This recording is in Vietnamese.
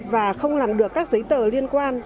và không làm được các sản phẩm của nhiều công ty